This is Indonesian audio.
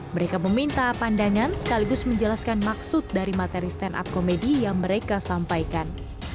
mereka meminta pandangan sekaligus menjelaskan maksud dari materi stand up komedi yang mereka sampaikan